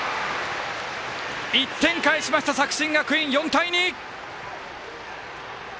１点返しました作新学院、４対２！